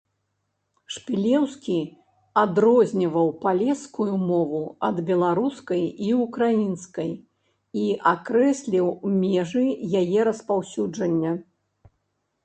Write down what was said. Шпілеўскі адрозніваў палескую мову ад беларускай і ўкраінскай і акрэсліў межы яе распаўсюджання.